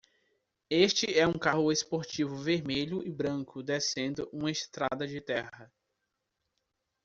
Este é um carro esportivo vermelho e branco descendo uma estrada de terra.